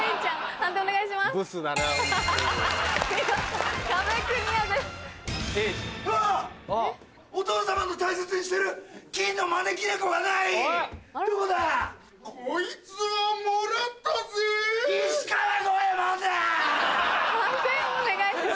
判定お願いします。